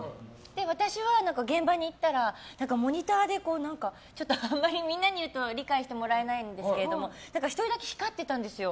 私は現場に行ったらモニターでちょっとあんまりみんなに言うと理解してもらえないんですけど１人だけ光ってたんですよ。